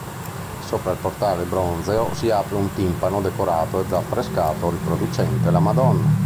Sopra il portale bronzeo si apre un timpano decorato ad affresco riproducente la Madonna.